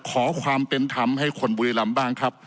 ขอความเป็นธรรมให้คนบุรีรำบ้างครับ